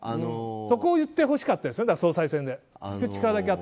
そこを言ってほしかったですよ総裁選で。